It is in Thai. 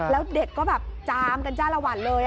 แล้วเด็กก็แบบจามกันจ้าละวันเลย